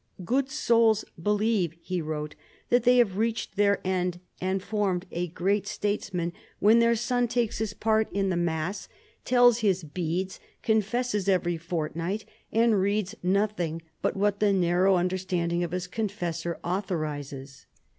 "Good souls believe," he wrote, "that they have reached their end and formed a great statesman when their son takes his part in the mass, tells his beads, confesses every fortnight, and reads nothing but what the narrow understanding of his confessor authorises.